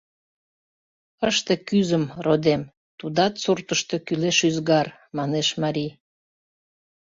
— Ыште кӱзым, родем: тудат суртышто кӱлеш ӱзгар,— манеш марий.